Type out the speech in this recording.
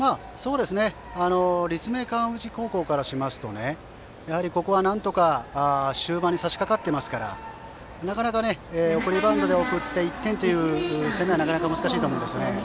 立命館宇治高校からするとここはなんとか終盤にさしかかっていますから送りバントで送って１点という攻めはなかなか難しいと思います。